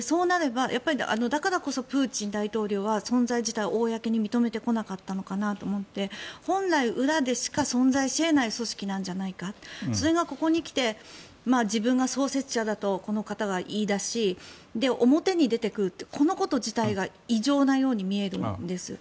だからこそプーチン大統領は存在自体を公に認めてこなかったのかなと思って本来、裏でしか存在し得ない組織なのではないかそれがここに来て自分が創設者だとこの方が言い出し表に出てくること自体が異常なように見えるんです。